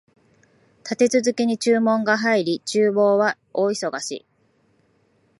立て続けに注文が入り、厨房は大忙し